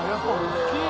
大きい！